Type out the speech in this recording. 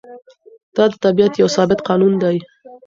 دا د طبیعت یو ثابت قانون دی.